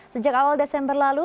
sejak awal desember lalu